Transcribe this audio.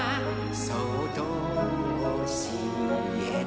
そっとおしえて」